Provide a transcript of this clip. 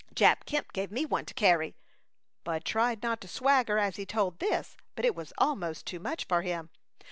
Jap Kemp gave me one to carry " Bud tried not to swagger as he told this, but it was almost too much for him.